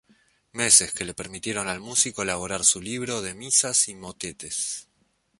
Meses que le permitieron al músico elaborar su libro de misas y motetes.